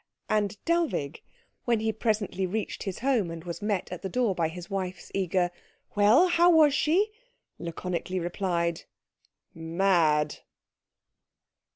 And Dellwig, when he presently reached his home and was met at the door by his wife's eager "Well, how was she?" laconically replied "Mad."